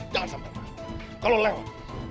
jangan sampai kalau lewat